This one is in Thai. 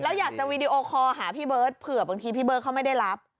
แล้วอยากจะวีดีโอคอลหาพี่เบิร์ตเผื่อบางทีพี่เบิร์ดเขาไม่ได้รับ